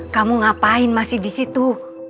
kamu ngapain masih disitu